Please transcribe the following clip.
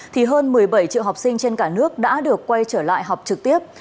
thì hơn một mươi bảy triệu học sinh trên cả nước đã được quay trở lại học trực tiếp